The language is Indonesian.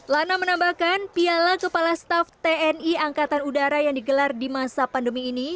lana menambahkan piala kepala staff tni angkatan udara yang digelar di masa pandemi ini